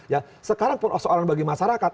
ya sekarang pun soalan bagi masyarakat